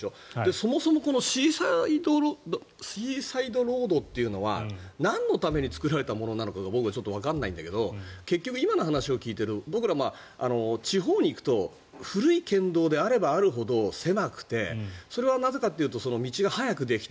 そもそもシーサイド道路というのはなんのために作られたのかが僕はちょっとわからないんだけど結局、今の話を聞いていると僕ら、地方に行くと古い県道であればあるほど狭くてそれはなぜかというと道が早くできた。